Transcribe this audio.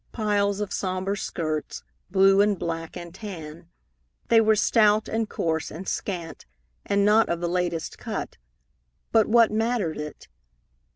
Piles of sombre skirts, blue and black and tan. They were stout and coarse and scant, and not of the latest cut, but what mattered it?